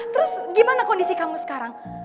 terus gimana kondisi kamu sekarang